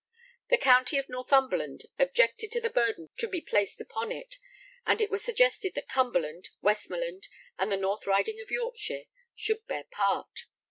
The county of Northumberland objected to the burden to be placed upon it, and it was suggested that Cumberland, Westmoreland, and the North Riding of Yorkshire should bear part.